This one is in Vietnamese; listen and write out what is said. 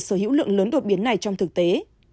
sở hữu lượng lớn đột biến này trong thực tế